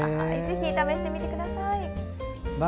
ぜひ試してみてください。